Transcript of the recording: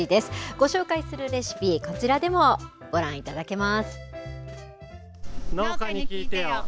ご紹介するレシピ、こちらでもご覧いただけます。